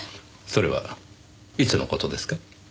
それはいつの事ですか？